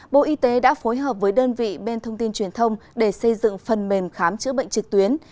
bộ y tế đã phối hợp với đơn vị bên thông tin truyền thông để xây dựng phần mềm khám chữa bệnh trực tuyến